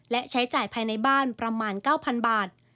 และใช้จ่ายภายในบ้านประมาณ๙๐๐บาท